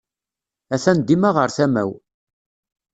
Atan dima ɣer tama-w.